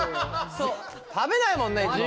食べないもんねいつも。